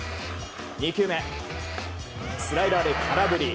２球目、スライダーで空振り。